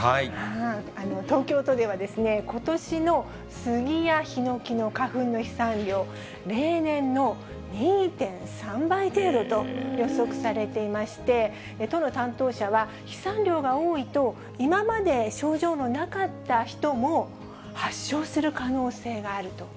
東京都では、ことしのスギやヒノキの花粉の飛散量、例年の２．３倍程度と予測されていまして、都の担当者は飛散量が多いと、今まで症状のなかった人も、発祥する可能性があると。